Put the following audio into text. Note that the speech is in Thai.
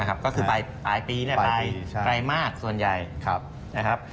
นะครับก็คือปลายปีเนี่ยปลายมากส่วนใหญ่นะครับ